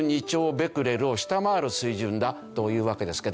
ベクレルを下回る水準だというわけですけど。